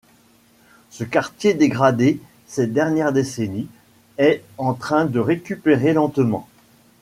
Ce quartier dégradé ces dernières décennies, est en train de récupérer lentement.